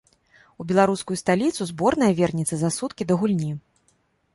У беларускую сталіцу зборная вернецца за суткі да гульні.